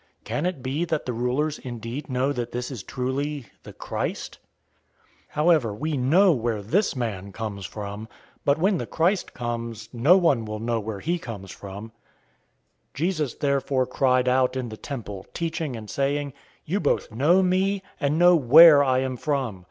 Can it be that the rulers indeed know that this is truly the Christ? 007:027 However we know where this man comes from, but when the Christ comes, no one will know where he comes from." 007:028 Jesus therefore cried out in the temple, teaching and saying, "You both know me, and know where I am from.